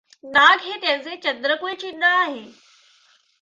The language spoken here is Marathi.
नाग हे त्यांचे चंद्रकुल चिन्ह आहे.